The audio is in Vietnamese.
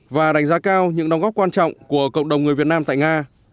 và đánh giá cao những đóng góp quan trọng của cộng đồng người việt nam tại nga